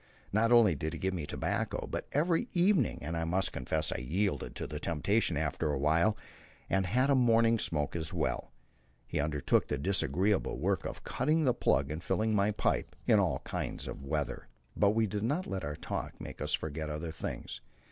Not only did he give me tobacco, but every evening and I must confess I yielded to the temptation after a while, and had a morning smoke as well he undertook the disagreeable work of cutting the plug and filling my pipe in all kinds of weather. But we did not let our talk make us forget other things.